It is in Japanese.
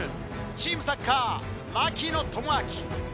チームサッカー槙野智章。